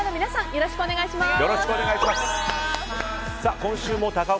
よろしくお願いします。